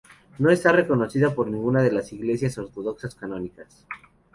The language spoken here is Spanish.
No está reconocida por ninguna de las Iglesias ortodoxas canónicas.